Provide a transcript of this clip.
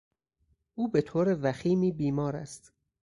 او به طور وخیمی بیمار است.